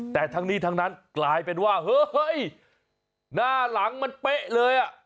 แต่ทั้งนี้ทั้งนั้นกลายเป็นว่าเฮ้ยหน้าหลังมันเป๊ะเลยอ่ะ